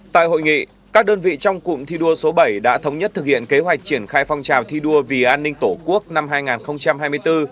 tại hội nghị các đơn vị trong cụm thi đua số bảy đã thống nhất thực hiện kế hoạch triển khai phong trào thi đua vì an ninh tổ quốc năm hai nghìn hai mươi bốn